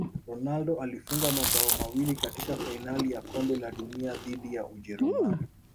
ronaldo alifunga mabao mawili katika fainali ya kombe la dunia dhidi ya ujerumani